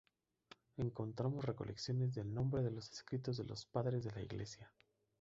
Encontramos recolecciones del nombre en los escritos de los padres de la Iglesia".